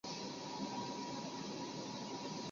听说隔壁庄那个人赚了不少啊